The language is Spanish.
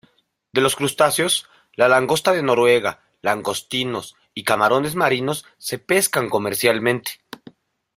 De los crustáceos, la langosta de Noruega, langostinos y camarones marinos se pescan comercialmente.